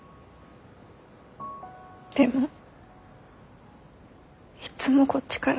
でもいっつもこっちから。